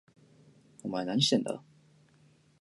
お前何してるんだ？